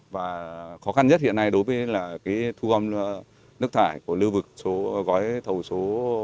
và khó khăn nhất hiện nay đối với thu gom nước thải của lưu vực gói thầu số ba